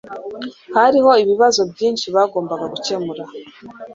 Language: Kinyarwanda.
Hariho ibibazo byinshi bagomba gukemura